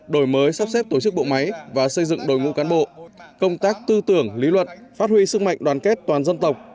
đổi mới sắp xếp tổ chức bộ máy và xây dựng đội ngũ cán bộ công tác tư tưởng lý luận phát huy sức mạnh đoàn kết toàn dân tộc